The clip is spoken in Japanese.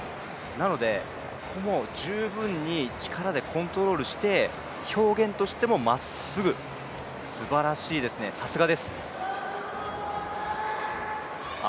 なのでここも十分に力でコントロールして表現としてもまっすぐすばらしいですね、さすがです。